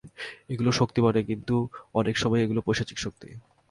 এগুলি শক্তি বটে, কিন্তু অনেক সময়েই এগুলি পৈশাচিক শক্তি।